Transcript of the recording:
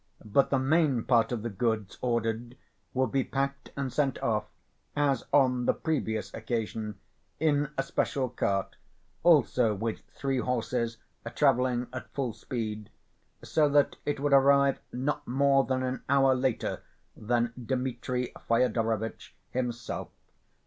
But the main part of the goods ordered would be packed and sent off, as on the previous occasion, in a special cart also with three horses traveling at full speed, so that it would arrive not more than an hour later than Dmitri Fyodorovitch himself.